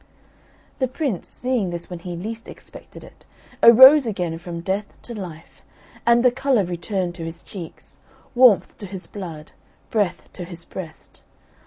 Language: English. The Prince, seeing this when he least expected it, arose again from death to life, and the colour returned to his cheeks, warmth to his blood, breath to his breast.